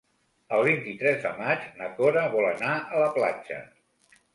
El vint-i-tres de maig na Cora vol anar a la platja.